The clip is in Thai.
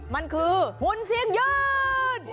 มันคือหุ่นเสียงยืน